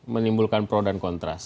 menimbulkan pro dan kontra